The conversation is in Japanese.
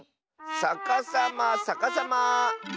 さかさまさかさま。